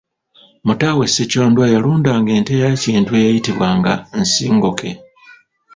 Mutaawe Ssekyondwa yalundanga ente ya Kintu eyayitibwanga nsingoke.